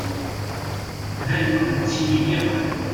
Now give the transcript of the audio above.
D ayen ur nettili yakk.